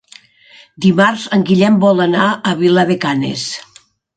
Dimarts en Guillem vol anar a Vilar de Canes.